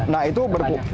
nah itu berkurang